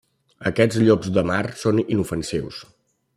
Aquests llops de mar són inofensius.